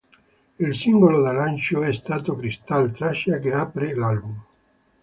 Il singolo di lancio è stato "Crystal", traccia che apre l'album.